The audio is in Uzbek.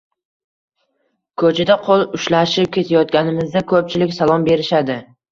Koʻchada qoʻl ushlashib ketayotganimizda koʻpchilik salom berishadi